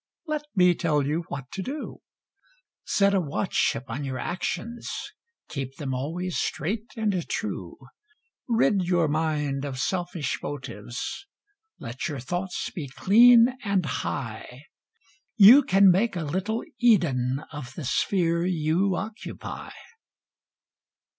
Let me tell you what to do ! Set a watch upon your actions, keep them always straight and true ; Rid your mind of selfish motives, let your thoughts be clean and high, You can make a little Eden of the sphere you occupy.